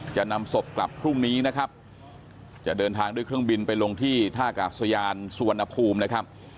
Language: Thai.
จะนำศพกลับพรุ่งนี้นะครับจะเดินทางด้วยเครื่องบินไปลงที่ท่ากาศยานสุวรรณภูมินะครับ